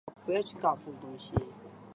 终结辩论的施行在不同的议会各有规定。